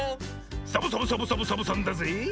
サボサボサボサボさんだぜ！